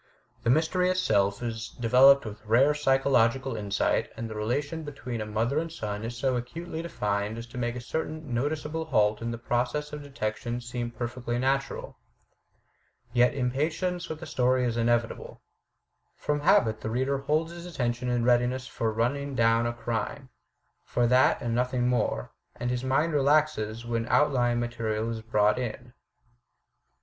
The mystery itself is developed with rare psychological insight, and the relation between a mother and son is so acutely defined as to make a certain noticeable halt in the process of detection seem perfectly natiural. Yet impatience with the story is inevitable. From habit the reader holds his attention in readiness for running down a crime — for that and nothing more — ^and his mind relaxes when outlying material is brought in. Dr.